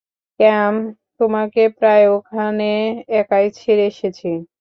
ক্যাম, তোমাকে প্রায় ওখানে একাই ছেড়ে এসেছি।